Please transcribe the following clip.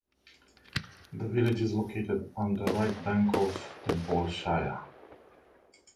The village is located on the right bank of the Bolshaya.